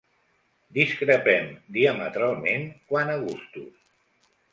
Discrepem diametralment quant a gustos.